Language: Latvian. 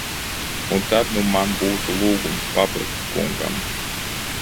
Un tad nu man būtu lūgums Pabrika kungam.